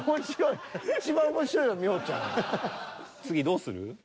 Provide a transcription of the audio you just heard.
次どうする？